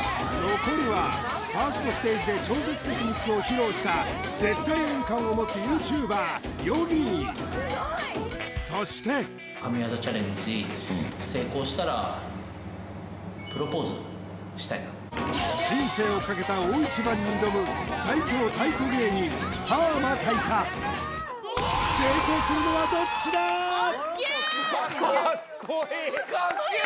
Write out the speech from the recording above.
残るは１ｓｔステージで超絶テクニックを披露した絶対音感を持つＹｏｕＴｕｂｅｒよみぃそしてしたいな人生をかけた大一番に挑む最強太鼓芸人パーマ大佐かっけえ！